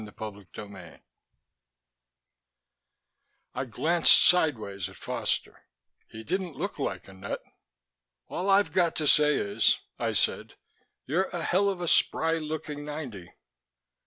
CHAPTER II I glanced sideways at Foster. He didn't look like a nut.... "All I've got to say is," I said, "you're a hell of a spry looking ninety."